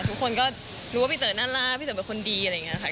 ทุกคนก็รู้ว่าพี่เต๋อน่ารักพี่เต๋อเป็นคนดีอะไรอย่างนี้ค่ะ